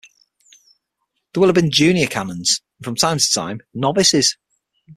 There will have been junior canons and, from time to time, novices.